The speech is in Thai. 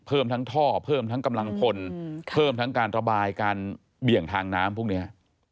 เพิ่มทั้งท่อเพิ่มทั้งกำลังพลเพิ่มทั้งการระบายการเบี่ยงทางน้ำพวกนี้